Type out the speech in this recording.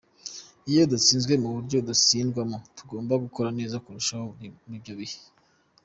"Iyo dutsinzwe mu buryo dutsindwamo, tugomba gukora neza kurushaho muri ibyo bihe".